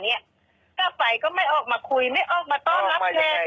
เนี้ยถ้าไปก็ไม่ออกมาคุยไม่ออกมาต้อนรับแน่ออกมายังไง